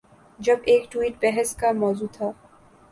جب ایک ٹویٹ بحث کا مو ضوع تھا۔